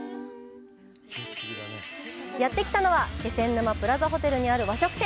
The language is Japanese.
やってきたのは気仙沼プラザホテルにある和食店